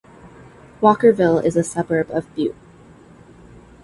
Walkerville is a suburb of Butte.